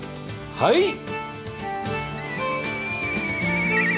はい！